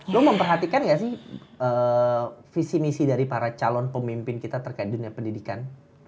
lo memperhatikan gak sih visi misi dari para calon pemimpin kita terkait dunia pendidikan